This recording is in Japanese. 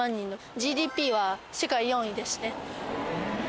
ＧＤＰは世界４位ですね。